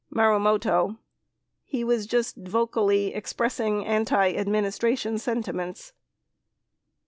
Marumoto. He was just vocally expressing antiadminis tration sentiments.